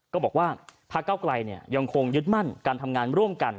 ก็บอกว่าพระเก้าไกลยังคงยึดมั่นการทำงานร่วมกัน